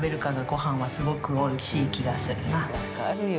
分かるよ。